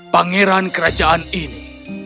pangeran kerajaan ini